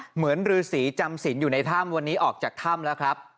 เหมือนฤษีจำสินอยู่ในถ้ำวันนี้ออกจากถ้ำแล้วครับ